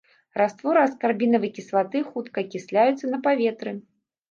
Растворы аскарбінавай кіслаты хутка акісляюцца на паветры.